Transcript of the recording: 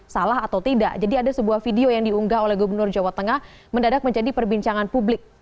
salah atau tidak jadi ada sebuah video yang diunggah oleh gubernur jawa tengah mendadak menjadi perbincangan publik